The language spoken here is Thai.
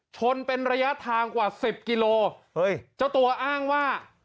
ชนเป็นระยะทางกว่าสิบกิโลเฮ้ยเจ้าตัวอ้างว่า